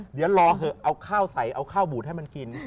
เดี๋ยวรอเถอะเอาข้าวใส่เอาข้าวบูดให้มันกิน